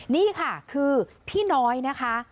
นี่ค่ะคือพี่น้อยนะคะ